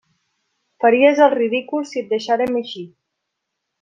Faries el ridícul si et deixàrem eixir.